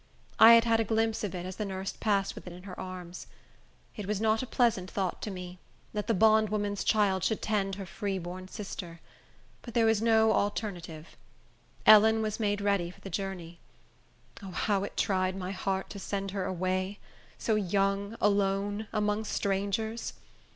I had had a glimpse of it, as the nurse passed with it in her arms. It was not a pleasant thought to me, that the bondwoman's child should tend her free born sister; but there was no alternative. Ellen was made ready for the journey. O, how it tried my heart to send her away, so young, alone, among strangers!